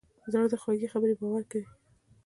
زړه د خوږې خبرې باور کوي.